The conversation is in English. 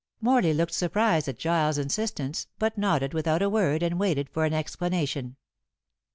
Morley looked surprised at Giles' insistence, but nodded without a word and waited for an explanation.